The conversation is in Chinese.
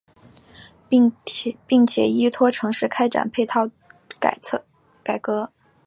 并且依托城市开展配套改革。